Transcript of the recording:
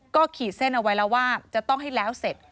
ก็ขีดเส้นเอาไว้แล้วว่าจะต้องให้แล้วเสร็จ